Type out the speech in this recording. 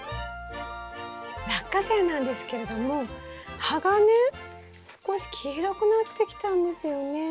ラッカセイなんですけれども葉がね少し黄色くなってきたんですよね。